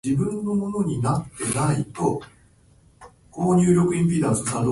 今日はいいお天気ですね